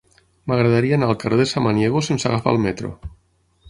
M'agradaria anar al carrer de Samaniego sense agafar el metro.